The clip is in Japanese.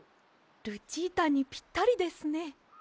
ルチータにぴったりですね。